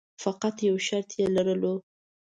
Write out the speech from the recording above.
فقط یو شرط یې لرلو.